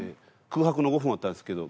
空白の５分あったんですけど。